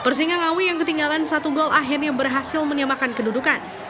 persingangawi yang ketinggalan satu gol akhirnya berhasil menyamakan kedudukan